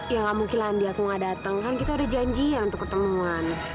ya gak mungkin lagi aku gak datang kan kita udah janjian untuk ketemuan